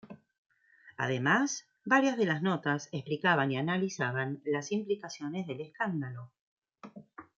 Además, varias de las notas explicaban y analizaban las implicaciones del escándalo.